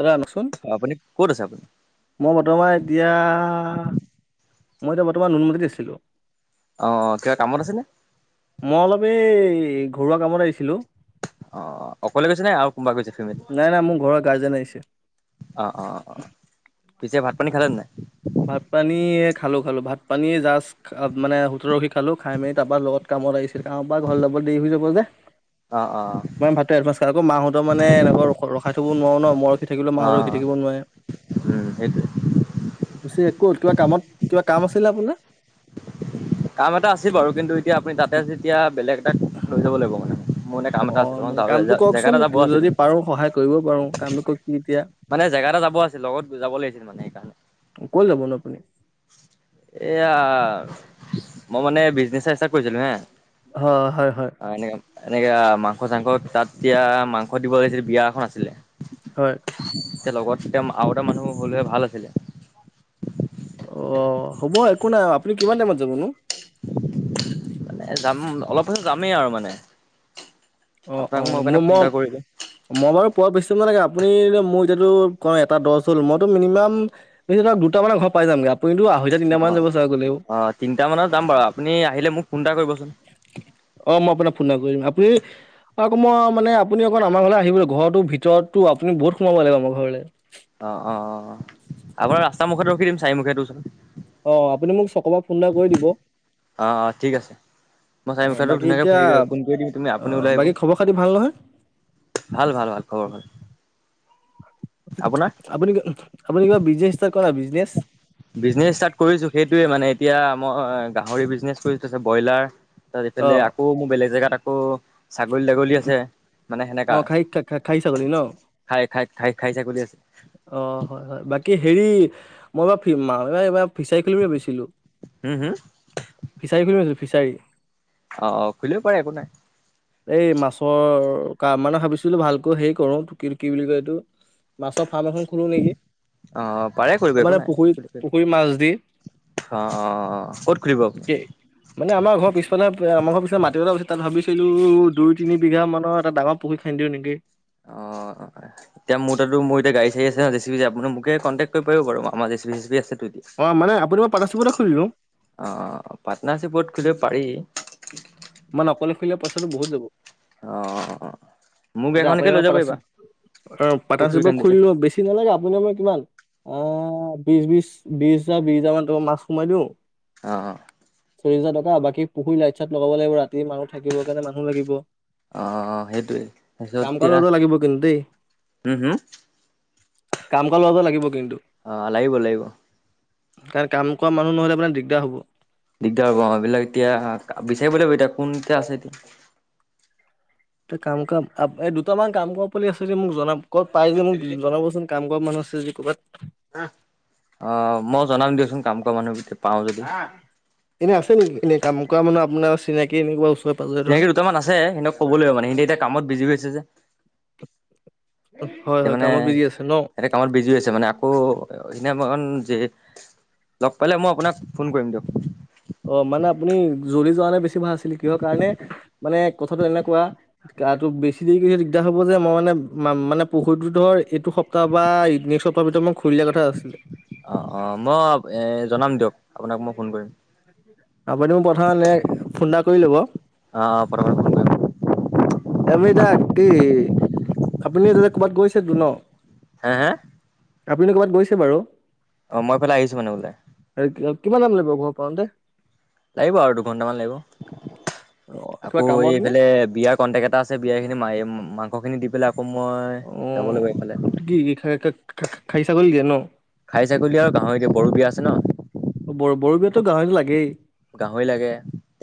দাদা শুনকচোন অ', আপুনি ক'ত আছে আপুনি? মই বৰ্ত্তমান এতিয়া মই এতিয়া বৰ্তমান নুনমাতিত আছিলোঁ অ কিবা কামত আছে নে মই অলপ এই ঘৰুৱা কামত আহিছিলো অ অকলে গৈছে নে আৰু কোনোবা গৈছে ফিমেলি নাই নাই মোৰ ঘৰৰ গাৰ্জেন আহিছে অ অ অ অ পিছে ভাত পানী খালেন নাই ভাত পানী য়ে খালো খালো ভাত পানী জাষ্ট মানে হোটেলত ৰখি খালো খাই মেলি তাৰপৰা লগত কামত আহিছিল কামৰ পা ঘৰ যাব দেৰি হৈ যাব যে অ অ মানে ভাতটো এডভান্স খাই আকৌ মাহঁৰ মানে এনেকুৱা ৰখাই থব নোৱাৰো ন মই ৰখি থাকিলে মাহঁত ৰখি অ', থাকিব নোৱাৰে উম সেইটোৱেই পিছে ক'ত কিবা কামত কিবা কাম আছিলে আপোনাৰ [inaudible] কাম এটা আছিল বাৰু কিন্তু এতিয়া আপুনি তাতে যেতিয়া বেলেগ এটাক লৈ যাব লাগিব মানে মোৰ মানে কাম এটা অঁ আছিল মানে কামটো জেগা কওঁকচোন এটা যাব আছিল যদি মানে। পাৰো সহায় কৰিব পাৰোঁ কামটো কওক কি এতিয়া মানে জেগাটাত যাব আছিল লগত যাব লাগিছিল মানে সেইকাৰণে ক'ত যাবনো আপুনি এয়া মই মানে বিজনেচ ষ্টাৰ্ট কৰিছিলো হে হয় হয় হয় অ', এনেকে এনেকে মাংস চাংস তাত এতিয়া মাংস দিব লাগিছিল বিয়া এখন আছিলে হয় এতিয়া লগত এতিয়া আৰু এটা মানুহ হ'লে ভাল আছিলে অ হ'ব একো নাই আপুনি কিমান টাইমত যাব নো মানে যাম অলপ পাছত যামেই আৰু মানে অ অ আপোনাক সেইকাৰণে মই ফোন মই এটা কৰিলোঁ মই বাৰু পোৱা বেছি সময় নালাগে আপুনি মোৰ এতিয়াটো কয় এটা দহ হ'ল মইতো মিনিমাম দুটা মানত ঘৰ পাই যামগে আপুনিতো আঢ়ৈতা তিনিটা মানত অ'। যাব চাগে গলেও অ' তিনিটা মানত যাম বাৰু আপুনি আহিলে মোক ফোন এটা কৰিবচোন অ মই আপোনাক ফোন এটা কৰিম আপুনি আকৌ মই মানে আপুনি অকণ আমাৰ ঘৰলৈ আহিব লাগিব ঘৰটো ভিতৰততো আপুনি বহুত সোমাব লাগিব আমাৰ ঘৰলে অহ -অহ-অহ আপোনাৰ ৰাস্তা মুখত ৰখি দিম চাৰি মুখীয়াটোৰ ওচৰত। অহ, আপুনি মোক চকৰ পা ফোন এটা কৰি দিব। অহ, ঠিক আছে। মই অ' চাৰিমুখীয়াটোত বাকী ধুনীয়াকে এতিয়া ফোন কৰি দিম তুমি আপুনি অ' ওলাই বাকী খবৰ খাতি ভাল নহয় আহিব। ভাল- ভাল- ভাল খবৰ ভাল। আপোনাৰ? আপুনি কিবা - আপুনি কিবা বিজনেজ ষ্টাৰ্ট কৰা বিজনেছ বিজনেচ ষ্টাৰ্ট কৰিছো সেইটোয়ে মানে এতিয়া মই গাহৰি বিজনেছ খুলি থৈছে ব্ৰইলাৰ তাত এইফালে অ' আকৌ মোৰ বেলেগ জেগাত আকৌ ছাগলী- তাগলী আছে। মানে সেনেকা অ' খাহী খাহী ছাগলী ন [inaudible] খাই- খাই -খাই খাহী ছাগলী আছে অহ, হয়- হয় বাকী হেৰি মই এইবাৰ -এইবাৰ ফিছাৰী খুলিম বুলি ভাবিছিল হম হম ফিছাৰী খুলিম ফিছাৰী অহ- অহ খুলিব পাৰে একো নাই। এই মাছৰ কা মানে ভাবিছিলো ভালকৈ হেৰি কৰো কি বুলি কয় এইটো মাছৰ ফাৰ্ম এখন খলো নেকি? অ পাৰে কৰিব একো মানে নাই পুখুৰীত অ পুখুৰী মাছ দি অ ক'ত খুলিব আপুনি [inaudible] কি, মানে আমাৰ ঘৰৰ পিছফালে আমাৰ ঘৰৰ [unintelligible] তাত ভাবিছিলো দুই তিনি বিঘা মানৰ এটা ডাঙৰ পুুৰী খান্দিও নেকি? অ', এতিয়া মোৰ তাটো মোৰ এতিয়া গাড়ী-চাৰি আছে জে চি পি আপুনি মোকে কণ্টেক কৰিব পাৰিব বাৰু আমাৰ J C B - J C P আছে। অ মানে আপুনি মই পাৰ্টনাৰশ্বিপতে [unintelligible] খুলিলো অহ, পাৰ্টনাৰশ্বিপত খুলিব পাৰি। [inaudible] মানে অকলে খুলিলে পইচা টো বহুত যাব। অহ, মোৰ গাড়ী খনকে লৈ যাব পাৰিবা। [unintelligible] পুখুৰী পাতনাৰশ্বিপত কান্দিলে খোলি মোক বেছি নালাগে আপুনি মই কিমান আহ বিছ, বিছ, বিছ হাজাৰ বিছ হাজাৰ মান টকাৰ মাছ সোমাই দিওঁ অহ কা বাকী পুখুৰী লাইট- চাইট লগাব লাগিব ৰাতি মানুহ থাকিব কাৰণে মানুহ লাগিব। আহ, সেইটয়ে তাৰপিছত কাম কৰা ল'ৰা এতিয়া এটা লাগিব কিন্তু দেই হম-হম কাম কৰা ল'ৰাটো লাগিব কিন্তু। অহ, লাগিব -লাগিব। কাৰণ কাম কৰা মানুহ ন'হলে আপোনাৰ দিগদাৰ হ'ব। দিগদাৰ হ'ব অহ এইবিলাক এতিয়া বিচাৰিব লাগিব এতিয়া কোন কিয়া আছে এতিয়া। তে কাম কৰা আব এই দুটামান কাম কৰা পুলি আছে যদি মোক জনাব। ক'বাত পাই যদি মোক জনাবচোন কাম কৰা মানুহ আছে যদি ক'বাত। অ মই জনাম [unintelligible] [inaudible] এনে আছে নেকি এনে কাম কৰা মানে আপোনাৰ চিনাকি এনেকুৱা ওচৰ চিনাকি দুটামান আছে। সিহঁতক কব লাগিব মানে সিহঁতি এতিয়া কামত বিজি হৈ আছে যে। হয় এতিয়া হয় মানে কামত বিজি আছে ন এহেন্তে কামত বিজি হৈছে মানে আকৌ এনে [unintelligible] লগ পালে মই আপোনাক ফোন কৰিম দিয়ক। অহ, মানে আপুনি জ্বলি যোৱা নাই বেছি ভাল আছিলে কিহৰ কাৰণে মানে কথাটো এনেকুৱা গাটো বেছি দেৰি কৰি দিগদাৰ হ'ব যে, মই মানে- মানে পুখুৰীটোত ধৰ এইটো সপ্তাহ বা নেক্সট সপ্তাহ ভিতৰত মই খুলি দিয়া কথা আছিলে অহ - অহ মই এ জনাম দিয়ক আপোনাক মই ফোন কৰিম। আপুনি মোক পথাৰলে ফোন এটা কৰি ল'ব অ', অ', পতাপত ফোন কৰিম। এমি দা কি আপুনি ততে ক'বাত গৈছে টো ন? হা-হা আপুনি ক'বাত গৈছে বাৰু? অহ, মই এইফালে আহিছো মানে ওলাই। কিমান টাইম লাগিব ঘৰ পাওঁতে? লাগিব আৰু দুঘন্টামান লাগিব অ কিবা আকৌ কামত নে এইফালে বিয়াৰ কন্টেক্ট এটা আছে ছে বিয়া খিনি ম মাংসখিনি দি পেলাই আকৌ মই অ, যাব লাগিব এইফালে আপনি কি খাই ছাগলী দিয়ে ন [unintelligible] খাই ছাগলী আৰু গাঁৱৰ এতিয়া বড়ো বিয়া আছে ন। অ, ব বৰো বিয়াতো গাহৰিতো লাগেই। গাহৰি লাগে।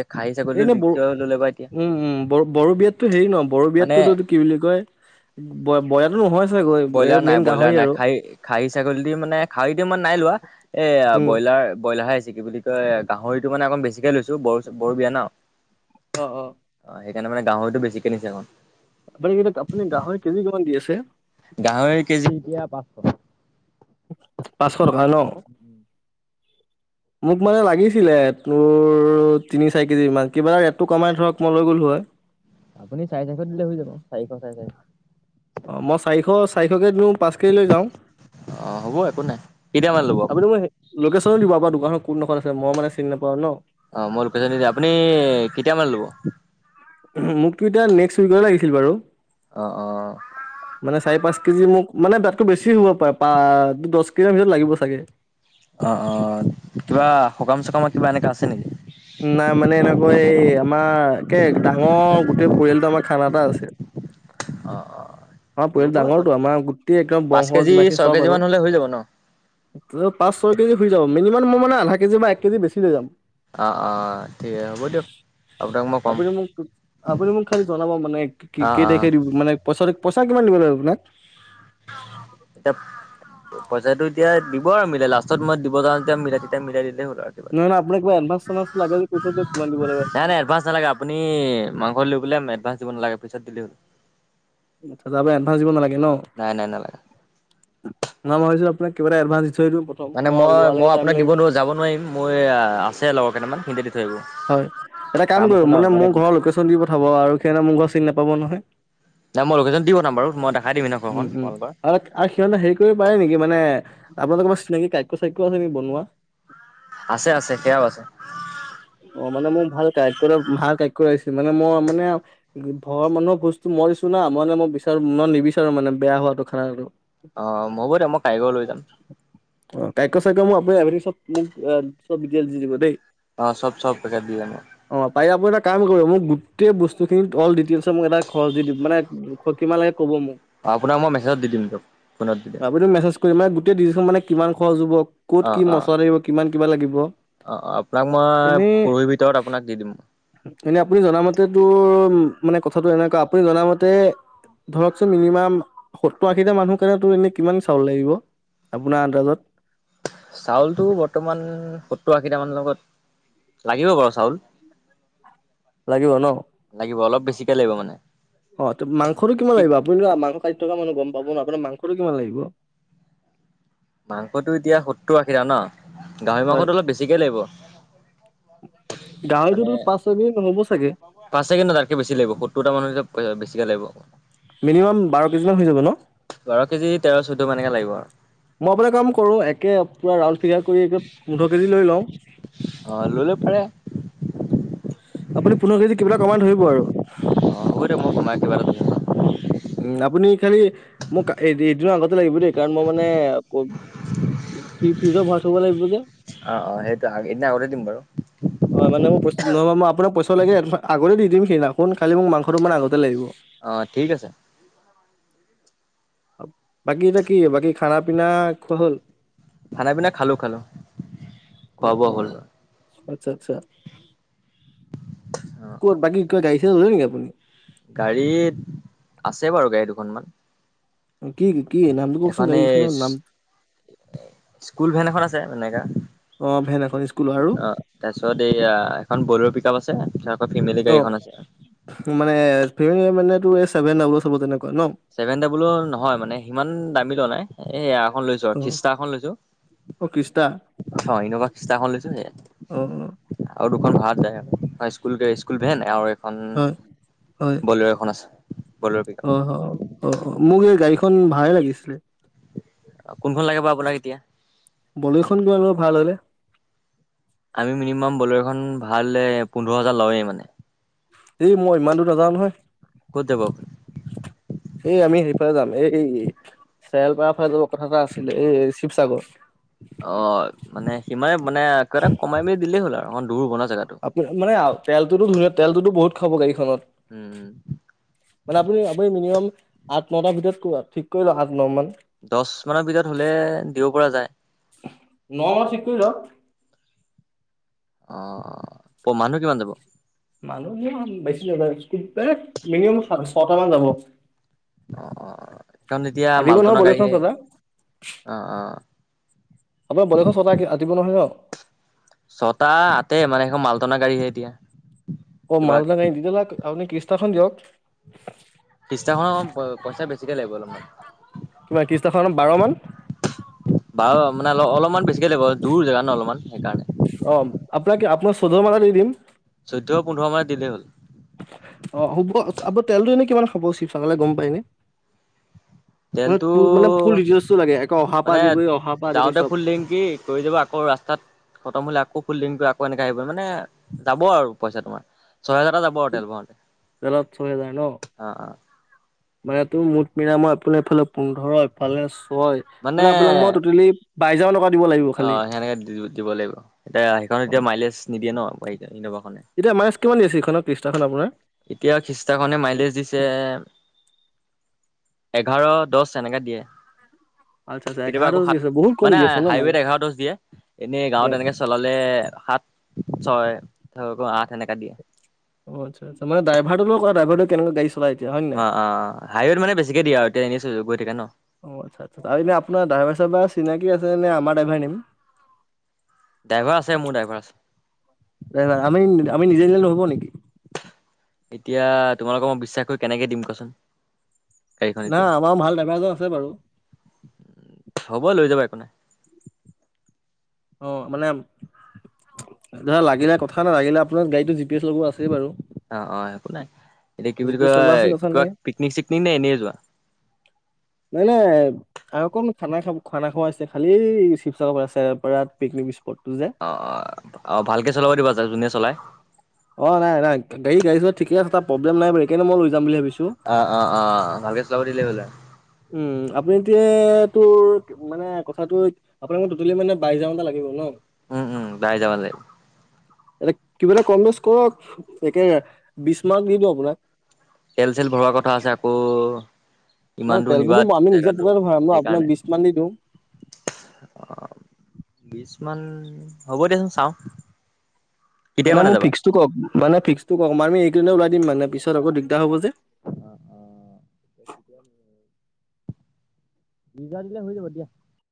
এই খাহী ছাগলীটো এন বো দ্বিতীয় ল'লে বা এতিয়া উম, উম ব বড়ো বিয়াতো হেৰি নহ বড়ো মানে বিয়াতটোতো কি বুলি কয়? বয়লাৰ নহয়। চাগৈ এ ব্ৰইলাৰ নাই, মেইন ব্ৰইলাৰ গাহৰি নাই, আৰু খাহী খাহী ছাগলী দি মানে খাহীদি মই নাই লোৱা এয়া উম। ব্ৰইলাৰ ব্ৰলাৰ আহ আছে, কি বুলি কয় গাহৰিটো মানে অকণ বেছিকে লৈছো। বো বড়ো বিয়া না অ, অ', অ'। সেইকাৰণে মানে গাহৰিতো বেছিকে নিছে এ অ'কন আপুনি কেই আপুনি গাহৰ কেজি কিমান দি আছে? গাহৰি কেজি এতিয়া পাঁচশ টকা। পাঁচশ টকা ন? [inaudible] মোক মানে লাগিছিলে তোৰ তিনি চাৰি কেজি মান কিবা এটা ৰেটটো কমাই ধৰক মই লৈ গ'লো হয় আপুনি চাৰে চাৰিশ দিলে হৈ যাব চাৰিশ চাৰে চাৰিশ অ মই চাৰিশ চাৰিশকে দিওঁ পাঁচ কেজি লৈ যাওঁ অ হ'ব একো নাই কেতিয়া মানে ল'ব আপুনি মোক লোকেশ্যনো দিব আপোনাৰ দোকানৰ কোনোদখত আছে মই মানে চিনি নাপাওঁ ন অ মই লোকেশ্যন দি দিম আপুনি কেতিয়া মানে লব মোকতো এতিয়া নেক্সট উইক লাগিছিল বাৰু অ অ মানে চাৰি পাঁচ কেজি মোক মানে তাতকৈ বেছি হ'ব পাৰে পা দছ কেজি ভিতৰত লাগিব চাগে অ অ কিবা সকাম চকাম কিবা এনেকা আছে নেকি নাই মানে এনেকৈ এই আমাৰ একে ডাঙৰ গোটেই পৰিয়ালটো আমাৰ খানা এটা আছে অ অ আমাৰ পৰিয়াল দিব একো ডাঙৰটো নাই আমাৰ গোটেই একদম পাঁচ বংশ কেজি যিমানাখিনি ছয় চব কেজি আৰু মান হ'লে হৈ যাব ন? ত পাঁচ ছয় কেজি শুই যাব মিনিমাম মই মানে আধা কেজি বা এক কেজি বেছি লৈ যাম অ', অ ঠিকে হ'ব দিয়ক আপোনাক মই ক'ম আপুনি মোক আপুনি মোক খালি জনাব মানে কি অ', কেই অ', তাৰিখে দিব মানে পইচাটো পইচা কিমান দিব লাগিব আপোনাক এতিয়া পইচাটো এতিয়া দিব আৰু মিলাই লাষ্টত মই দিব যাওঁ যেতিয়া মিলাই তেতিয়া মিলাই দিলে হ'ল নহয় নহয় আপোনাক কিবা এডভান্স চেডভান্স লাগে যদি কৈ থৈ দিয়ক কিমান দিব লাগিব নাই নাই এডভান্স নালাগে আপুনি মাংস লেই এডভান্স দিব নালাগে পিছত দিলে হল ত আমি এডভান্স দিব নালাগে ন। নাই নাই নালাগে ন মই ভাবিছিলো আপোনাক কিবাটা এডভান্স থৈ দিওঁ প্ৰথম মানে মই মই লোৱালৈকে টাইম আপোনাক দিব লাগিব নহয় নোৱাৰো যাব নোৱাৰিম মই আছে লগৰ কেইটামান সি দি থৈ আহিব হয় এটা কাম আছে কৰিব ন মানে মোৰ বিজি ঘৰৰ লোকেশ্যন দি পঠাব আৰু সিহঁতে মোৰ ঘৰৰ চিনি নাপাব নহয় নাই মই লোকেশ্যন দি পঠাম বাৰু মই দেখাই দিম সেইদিনাখন উম ঘৰখন উম আপোনালোকৰ আৰু আৰু সিহঁতে হেৰি কৰিব পাৰে নেকি মানে আপোনালোকৰ চিনাকি কাইক চাইকো আছে নিকি বনোৱা আছে আছে সেয়াও আছে অ', মানে মোৰ ভাল কাৰিকৰ এটা ভাল কাৰিকৰ লাগিছিল মানে মই মানে ঘৰৰ মানুহৰ ভুজ টো মই দিছো না মানে মই বিচাৰো মই নিবিচাৰো মানে বেয়া হোৱাটো খানাটো অহ হব দে মই কাৰিকৰ লৈ যাম [unintelligible] মোক চব দিটেলচ দি দিব দেই অ চব চব তখকে দি যাম অ পাৰিলে আপুনি এটা কাম কৰিব মোক গোটেই বস্তুখিনিত অল ডিটেইলছত মোক এটা খৰচ দি দিয়ক মানে কিমান লাগে কব মোক আপোনাক মই মেছেজত দি দিম দিয়ক ফোনত দি দিম আপোনি মেছেজ কৰি মান গোটেই ডিলখন মানে কিমান খৰচ হ'ব ক'ত অ', কি অ', মছলা লাগিব কিমান কিবা লাগিব অ অ আপোনাক মই এনে পৰহিৰ ভিতৰত আপোনাক দি দিম। এনে আপুনি জনামতে তোৰ মানে কথাটো এনেকুৱা আপুনি জনামতে ধৰকচোন মিনিমাম সত্তৰ আশীটা মানুহ কাৰণে তো এনে কিমান চাউল লাগিব? আপোনাৰ আন্দাজত। চাউলটো বৰ্তমান সত্তৰ আশীটা মানুহৰ লগত লাগিব বাৰু চাউল। লাগিব ন? লাগিব অলপ বেছিকে লাগিব মানে। অ মাংসটো কিমান ঠিক লাগিব আপুনি মাংস খাই থকা মানুহ গম পাব ন আপোনাৰ মাং সটো কিমান লাগিব। মাংসটো এতিয়া সত্তৰ আশীটা ন গাহৰি হয় মাংসটো অলপ বেছিকে লাগিব। মানে গাহৰিটোতো পাঁচ ছয় কেজি নহ'ব চাগে পাঁচ কেজি তাতকে বেছি লাগিব সত্তৰটা মানুহ যে। পইচা বেছিকৈ লাগিব আকৌ মিনিমাম বাৰ কেজিমান হৈ যাব ন। তো এনেকে লাগিব আৰু নহ'লে কাম কৰোঁ একে পুৰা ৰাউন ফিগাৰ কৰি একে পোন্ধৰ কেজি লৈ লওঁ। অ', লৈ লব পাৰে আপুনি পোন্ধৰ কেজি কিবা এটা কমাই ধৰিব আৰু। অ হ'ব দিয়ক মই কমাই কিবা এটা দিম। উম আপুনি খালি মোক এদিনৰ আগতে লাগিব দেই কাৰণ মই মানে। ফ ফিজট ভৰাই থব লাগিব যে। এদিন আগতে দিম বাৰু। হয় মানে মোৰ পইচা নহ'বা মই আপোনাক পইচাও লাগে এডভা আগতে দি দিম সেইদিনাখন খালী মোক মাংসটো মানে আগতে লাগিব। অ ঠিক আছে। বাকী এতিয়া কি বাকী খানা পিনা খোৱা হল। খানা পিনা খালো খালো খোৱা অ' বোৱা হ'ল। অ' আচ্ছা আচ্ছা অ', কত বাকী কিবা গাড়ী চাৰী ললে নেকি আপুনি? গাড়ীত আছে বাৰু গাড়ী দুখনমান। কি কি? নামটো কওকচোন এখন এই গাড়ীখনৰ নাম স্কুল ভেন এখন আছে তেনেকা অ' ভেন এখন স্কুলৰ আৰু অ তাৰপিছত এইয়া এখন বলেৰ' পিক আপ আছে। আকৌ ফেমিলি অ গাড়ী এখন আছে মানে এছ ভি মানে ছেভেন‌ ডাবুলৰ হ'ব চাগে। ছেভেন ডাবুল নহয় মানে সিমান দামী লোৱা নাই এই এয়া এখন লৈছো আৰু অ' খিষ্টা এখন লৈছো। অ কি? ইনভা চিচটাখন লৈছো অ' অ' আৰু দুখন ভান স্কুল স্কুল ভেন আৰু এওঁৰ এখন হয় হয় বলেৰ এখন আছে। বলেৰু অ' অ' অ মোক এই গাড়ীখন ভাড়াই লাগিছিলে। কোনখন লাগে বা আপোনাক এতিয়া? বলেৰোখন কিমান লয় ভাল হলে। আমি মিনিমাম বলেৰখন ভাল পোন্ধৰ হাজাৰ লওঁৱেই মানে। এই মই ইমান দূৰ নাযাওঁ নহয়। ক'ত যাব আপুনি এই আমি সেইফালে যাম এই চৰালপাৰ ফালে যাব কথা এটা আছিলে এই শিৱসাগৰ অ মানে সিমানে মানে কিবা এটা কমাই মেলি দিলেই হ'ল আৰু অকমান দূৰ হ'ব ন। জেগাটো আপু মানে তেলতোতো মোৰ তেলতো বহুত খাব গাড়ীখনত। উম, মানে আপুনি আপুনি মিনিমাম আঠ নটাৰ ভিতৰত ক ঠিক কৰি লক আঠ ন মান। দচ মানৰ ভিতৰত হলে দিব পৰা যায়। ন ঠিক কৰি ধৰক। অ প মানুহ কিমান যাব? মানুহ ইমান বেছি নযায় মিনিমাম ছটা মান যাব। অ অ কাৰণ এতিয়া ৰাতিপুৱা নহয় মালটনা বলেৰ'খন গাড়ীয়ে ছটা অ অ। আপোনাৰ বলেৰ'খন ছটা ৰাতিপুৱা নহয় ন ছটা আতে মানে এখন মালটনা গাড়ীহে এতিয়া অ কিবা মাল টনা গাড়ী তেতিয়াহলে [unintelligible] আপুনি কিষ্টাখন দিয়ক কিষ্টা খন পইচা বেছিকে লাগিব অলপমান কিমান ত্ৰিছটাখনত বাৰ মান বাৰু মানে অ অলপমান বেছিকে লাগিব দূৰ জেগা ন অলপ [unintelligible] অ আপোনাকে আপোনাক চৌধ মানত দি দিম চৈধ্য পোন্ধৰ মানত দিলেই হ'ল অ হ'ব আব তেলটো এনেই কিমান খাব শিৱসাগৰলে গম পায়নে [inaudible] মানে তেলটো তোৰ মানে ফুল ডিটেইলছটো লাগে আকৌ অহা পৰা মানে আদি কৰি অহাৰ পৰা আদি কৰি যাওঁতে চব ফুল টেংকি কৰি যাব আকৌ ৰাস্তাত খতম হলে আকৌ ফুলদিন কৰি আকৌ এনেকে আহিব মানে যাব আৰু পইচা তোমাৰ ছহেজাৰ এটা যাব টেল ভৰাউতে দালত ছয় হেজাৰ ন অ অ মানে এই টো মুঠ মিলাই মই আপোনি এফালে পোন্ধৰ ইফালে ছয় মানে আপোনাক মই টোটেলি বাইছ হাজাৰ মান টকাত অ সেনেকে দিব লাগিব এতিয়া সেইখন অ এতিয়া মাইলেজ নিদিয়ে ন ইন'ভাখন খ খ্ৰীষ্টাখন আপোনাৰ- এতিয়া খ্ৰীষ্টাখনে মাইলেজ দিছে এঘাৰ দহ এনেকা দিয়ে। আচ্ছা আচ্ছা কেতিয়াবা এঘাৰ আকৌ দি আছে সাত বহুত কম দি মানে আছে ন হাইৱেত মাইনাছ এঘাৰ দছ দিয়ে। এনেই হয় গাঁৱত এনেকে চলালে সাত ছয় আঠ এনেকুৱা দিয়ে। অ আচ্ছ আচ্ছা ড্ৰাইভাৰ লগত কথা ড্ৰাইভাৰ কেনেকৈ গাড়ী চলাই। এতিয়া হয় নে অ নাই অ হাই ৱেত মানে বেছিকে দিয়ে আৰু এতিয়া এনেই চলি চলি গৈ থাকে ন। অ আচ্ছা আচ্ছা আৰু এনে আপোনাৰ ড্ৰাইভাৰ চাইভাৰ চিনাকি আছে [unintelligible] ড্ৰাইভাৰ আছে মোৰ ড্ৰাইভাৰ আছে আমি আমি নিজে নিজে [unintelligible] নেকি এতিয়া তোমালোকক মই বিশ্বাস কৰি কেনেকে দিম কোৱাচোন - গাড়ীখন না এতিয়া আমাৰ ভাল ড্ৰাইভাৰ এজন আছে বাৰু হব লৈ যাবা- একো নাই - আহ মানে লাগিলে কথা নাই লাগিল আপোনাৰ গাড়ীটো জি পি এছ লগোৱা আছেই বাৰু। অ অ একো নাই এতিয়া কি জি বুলি পি এছ লগোৱা কয় আছে কথা কিবা নাই পিকনিক চিকনিক নে এনেই যোৱা নাই নাই আৰু অকৌ খানা খাব খানা খোৱাছে খালি শিৱসাগৰ পৰা আছে পৰাৰাত পিকনিক স্পট। তোৰ যে অ অ অ ভালকে চলাব দিবা যাক যোনে চলাই। অ নাই নাই গাড়ী গাড়ী খন- ঠিক এটা প্ৰব্লেম নাই এইকাৰনে মই লৈ যাম ভাবিছিলো - অ অ অ ভালকে চলাব দিলে হয় যায়- সেটোৱে তোৰ মানে কথাটো হৈ আপোনালোক টোটেলি মানে বাইছ হাজাৰ মান এটা লাগিব ন- উম উম [unintelligible] এ কিবা এটা কম বেচ কৰক একে বিশ মান দিব আপোনাক তেল চেল ভৰোৱা কথা আছে আকৌ নাই ইমান দূৰ নিবা তেলটোতো আমি আকৌ নিজৰ জেগাটোৰ পকেটৰ ভৰাম ন আপোনাক সেইকাৰণে। বিশ মান দি দিওঁ আহ বিশ মান হ'ব দিয়চোন চাওঁ। কেতিয়া মানে মোক যাবা? ফিক্সটো কওঁক মানে ফিক্সটো কওক মানে এইকেই দিনতে ওলাই দিম মানে পিছত আকৌ দিগদাৰ হ'ব যে। অ অ দিজা দিলে হৈ যাব দিয়া।